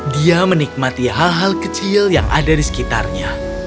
dia menikmati hal hal kecil yang ada di sekitarnya